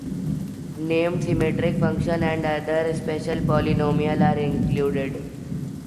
Named symmetric functions, and other special polynomials, are included.